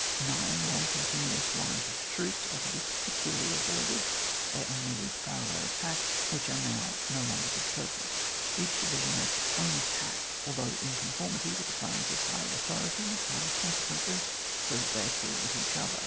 9. Long, continuous lines of troops are to be particularly avoided, they only lead to parallel attacks which are now no longer to the purpose. Each division makes its own attack, although in conformity with the plans of higher authority, and consequently so that they accord with each odier.